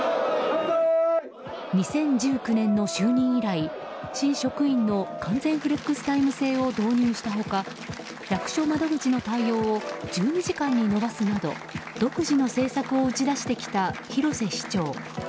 ２０１９年の就任以来市職員の完全フレックスタイム制を導入した他役所窓口の対応を１２時間に延ばすなど独自の政策を打ち出してきた広瀬市長。